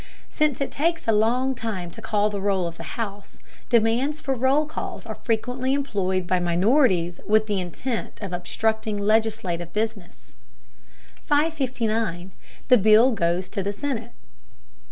Since it takes a long time to call the roll of the House, demands for roll calls are frequently employed by minorities with the intent of obstructing legislative business. 559. THE BILL GOES TO THE SENATE.